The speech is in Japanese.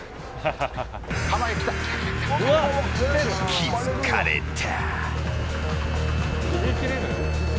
気づかれた。